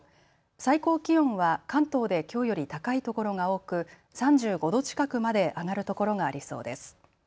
最高気温は関東できょうより高いところが多く３５度近くまで上がるところがありそうです。